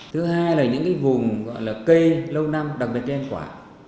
thứ hai là những vùng cây lâu năm đặc biệt là em quả